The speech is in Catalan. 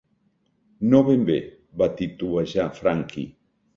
"No ben bé", va titubejar Frankie.